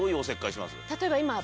例えば今。